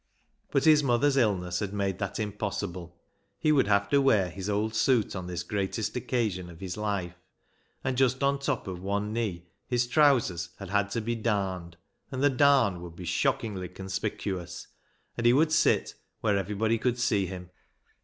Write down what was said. But his mother's illness had made that impos sible. He would have to wear his old suit on this greatest occasion of his life, and just on the top of one knee his trousers had had to be darned, and the darn would be shockingly con ISAAC'S ANGEL 253 spicuoiis, and he would sit where everybody could see him.